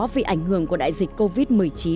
vì ảnh hưởng của đại dịch covid một mươi chín